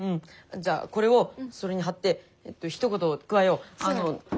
じゃあこれをそれに貼ってひと言加えよう。